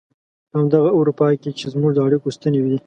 په همدغه اروپا کې چې زموږ د اړيکو ستنې دي.